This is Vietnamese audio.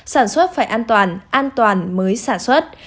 sản xuất phải an toàn an toàn mới sản xuất